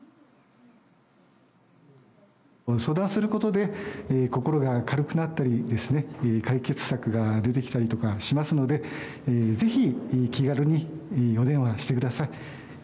相談することで心が軽くなったり解決策が出てきたりとかしますのでぜひ、気軽にお電話してください。